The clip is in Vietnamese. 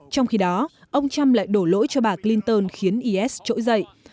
trong khi đó ông trump lại đổ lỗi cho bà clinton khiến is trỗi dậy